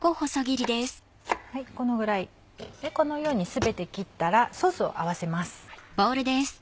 このぐらいこのように全て切ったらソースを合わせます。